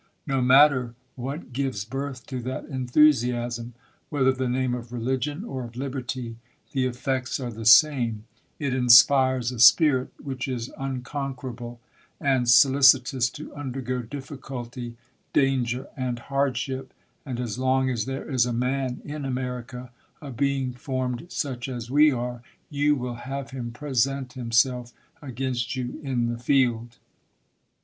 No matter what gives birth to that enthusiasm ; whether the name of religion or of liberty, the effects are the same ; it inspires a spirit which is unconquerable, and solicitous to undergo dif ficulty, danger, and hardship : and as long as there is a man in America, a being formed such as we are, you will have him present himself against you in the field.